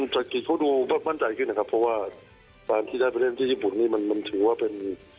เศรษฐกิจเขาดูมั่นใจขึ้นนะครับเพราะว่าการที่ได้ไปเล่นที่ญี่ปุ่นนี่มันถือว่าเป็น